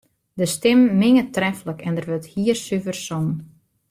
De stimmen minge treflik en der wurdt hiersuver songen.